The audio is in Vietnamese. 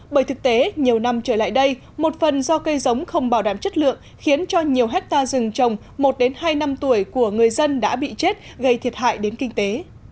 bởi thực tế nhiều năm trở lại đây một phần do cây giống không bảo đảm chất lượng khiến cho nhiều hectare rừng trồng một hai năm tuổi của người dân đã bị chết gây thiệt hại đến kinh tế